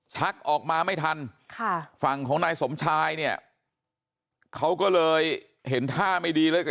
ชักออกมาไม่ทันฝั่งของนายสมชายเนี่ยเขาก็เลยเห็นท่าไม่ดีแล้วก็